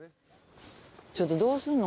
ちょっとどうすんの？